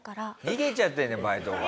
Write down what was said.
逃げちゃってるじゃんバイトが。